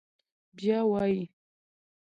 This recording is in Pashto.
بيا وايي: